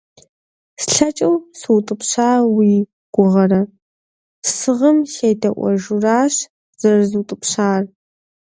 Слъэкӏыу сыутӏыпща уи гугъэрэ? Сыгъым седаӏуэжурэщ зэрызутӏыпщар.